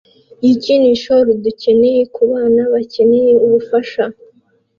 yikinisho rudukeneye kubana bakeneye ubufasha